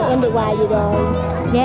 em được quà gì rồi